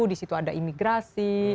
di situ ada imigrasi